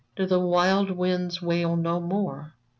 Do the wild winds wail no more